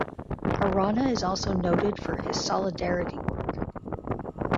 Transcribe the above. Arana is also noted for his solidarity work.